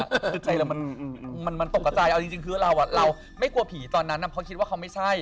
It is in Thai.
คือใจเรามันตกกระใจเอาจริงคือเราไม่กลัวผีตอนนั้นเพราะคิดว่าเขาไม่ใช่